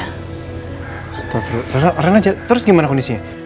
stop rena rena jatuh terus gimana kondisinya